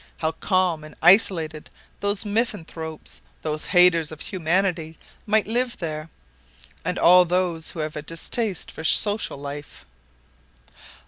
How calm and isolated those misanthropes, those haters of humanity might live there, and all who have a distaste for social life!"